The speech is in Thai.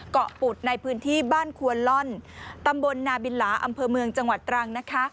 ปุดในพื้นที่บ้านควนล่อนตำบลนาบินหลาอำเภอเมืองจังหวัดตรังนะคะ